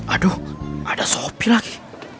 aduh ada sopi lagi